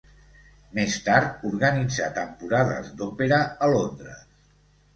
Més tard organitzà temporades d'òpera a Londres.